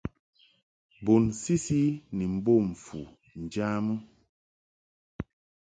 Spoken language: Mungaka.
Bun sisi ni mbom fu njamɨ.